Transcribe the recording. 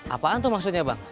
apaan tuh maksudnya bang